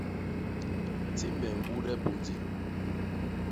Ti me mbude pôndi.